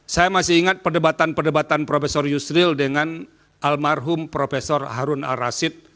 saya masih ingat perdebatan perdebatan prof yusril dengan almarhum prof harun al rashid